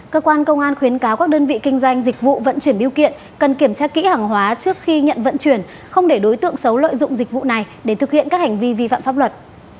cơ quan công an khuyến cáo các đơn vị kinh doanh dịch vụ vận chuyển biêu kiện cần kiểm tra kỹ hàng hóa trước khi nhận vận chuyển không để đối tượng xấu lợi dụng dịch vụ này để thực hiện các hành vi vi phạm pháp luật